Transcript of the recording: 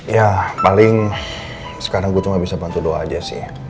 ya paling sekarang gue tuh gak bisa bantu doa aja sih